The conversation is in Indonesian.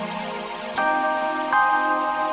aku bisa cek dari tanggalnya dong